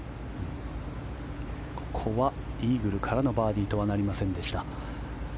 ここはイーグルからのバーディーとはなりません。